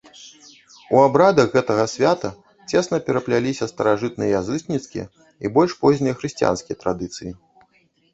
У абрадах гэтага свята цесна перапляліся старажытныя язычніцкія і больш познія хрысціянскія традыцыі.